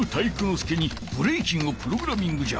介にブレイキンをプログラミングじゃ。